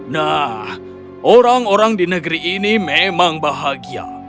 nah orang orang di negeri ini memang bahagia